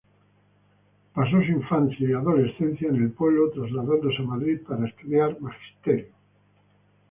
Pasó su infancia y adolescencia en el pueblo, trasladándose a Madrid para estudiar Magisterio.